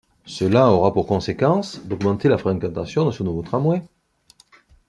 Cela aura pour conséquence d'augmenter la fréquentation de ce nouveau tramway.